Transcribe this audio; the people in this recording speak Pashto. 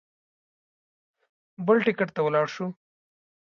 بل ټکټ ته ولاړ شو.